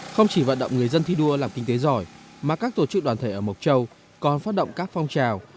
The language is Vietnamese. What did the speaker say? không chỉ vận động người dân thi đua làm kinh tế giỏi mà các tổ chức đoàn thể ở mộc châu còn phát động các phong trào